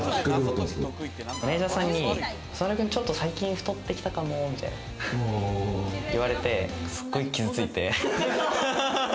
マネジャーさんに松丸君、最近太ってきたかもみたいに言われて、すごい傷ついて。